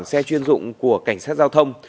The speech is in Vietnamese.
xe chuyên dụng của cảnh sát giao thông